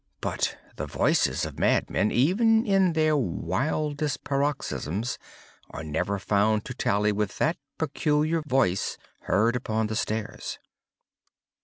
But the voices of madmen, even in their wildest paroxysms, are never found to tally with that peculiar voice heard upon the stairs.